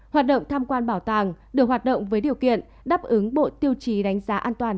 hoạt động tham quan bảo tàng được hoạt động với điều kiện đáp ứng bộ tiêu chí đánh giá an toàn